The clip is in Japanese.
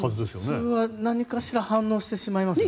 普通は何かしら反応してしまいますよね。